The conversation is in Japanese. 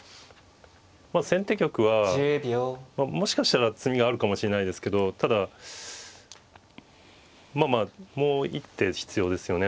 先手玉はもしかしたら詰みがあるかもしれないですけどただまあまあもう一手必要ですよね